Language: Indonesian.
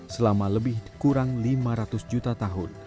selama lebih kurang lima ratus juta tahun